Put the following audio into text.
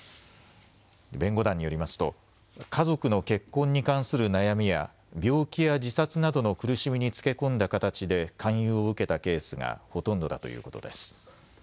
弁護団によりますと家族の結婚に関する悩みや病気や自殺などの苦しみにつけ込んだ形で勧誘を受けたケースがほとんどだということです。